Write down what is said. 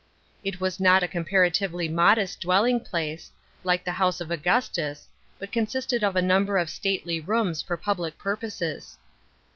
Jt was not a comparatively modest dwelling place, like the house of Augustus, but consisted of a number of stately ronms for public puri oses.